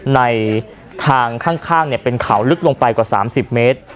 ในทางข้างข้างเนี่ยเป็นเข่าลึกลงไปกว่าสามสิบเมตร